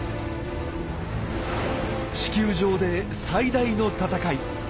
地球上で最大の闘い。